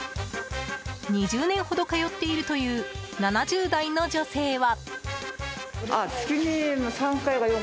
２０年ほど通っているという７０代の女性は。